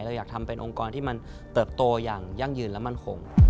เราอยากทำเป็นองค์กรที่มันเติบโตอย่างยั่งยืนและมั่นคง